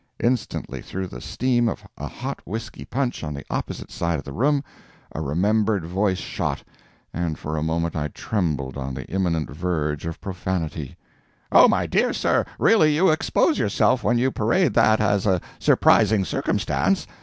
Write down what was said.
Instantly, through the steam of a hot whiskey punch on the opposite side of the room, a remembered voice shot—and for a moment I trembled on the imminent verge of profanity: "Oh, my dear sir, really you expose yourself when you parade that as a surprising circumstance.